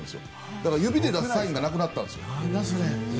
だから指で出すサインがなくなったんです。